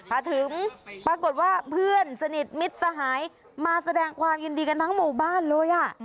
มาถึงปรากฏว่าเพื่อนสนิทมิตรสหายมาแสดงความยินดีกันทั้งหมู่บ้านเลยอ่ะ